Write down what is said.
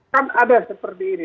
kan ada seperti ini